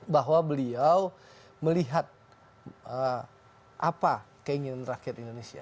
bahwa beliau melihat apa keinginan rakyat indonesia